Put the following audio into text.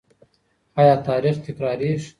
آیا تاریخ تکراریږي؟